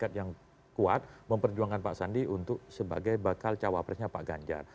komitmen dan tekad yang kuat memperjuangkan pak sandi untuk sebagai bakal cowok presidennya pak ganjar